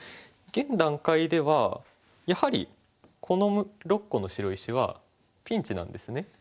現段階ではやはりこの６個の白石はピンチなんですね。